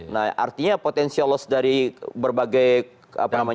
nah artinya potensiolos dari berbagai apa namanya